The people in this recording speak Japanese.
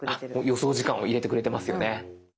予想時間を入れてくれてますよね。